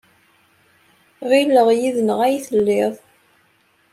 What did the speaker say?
Ɣileɣ yid-neɣ ay telliḍ.